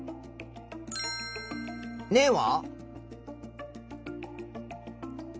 根は？